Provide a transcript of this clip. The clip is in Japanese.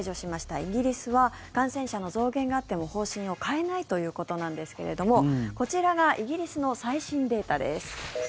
イギリスは感染者の増減があっても方針を変えないということなんですがこちらがイギリスの最新データです。